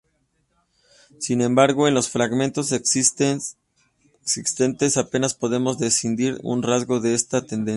Sin embargo, en los fragmentos existentes, apenas podemos discernir un rasgo de esta tendencia.